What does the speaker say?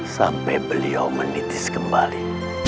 sampai beliau menitis kembali